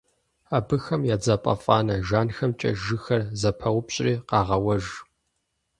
Абыхэм я дзапэфӀанэ жанхэмкӀэ жыгхэр зэпаупщӀри къагъэуэж.